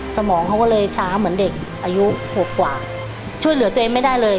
สมองเขาก็เลยช้าเหมือนเด็กอายุขวบกว่าช่วยเหลือตัวเองไม่ได้เลย